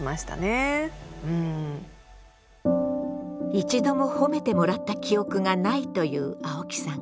一度も褒めてもらった記憶がないという青木さん。